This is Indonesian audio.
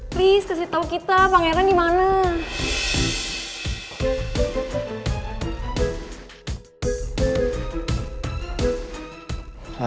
please kasih tau kita pangeran di mana